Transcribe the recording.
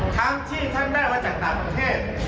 ทั้งที่ท่านได้มาจากต่างประเทศ